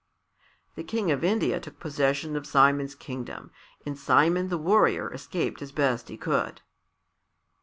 The King of India took possession of Simon's kingdom, and Simon the Warrior escaped as best he could.